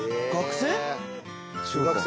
学生？